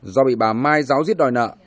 do bị bà mai giáo giết đòi nợ